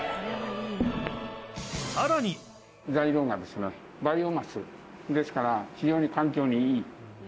材料なんですが、バイオマスですから、非常に環境にいい。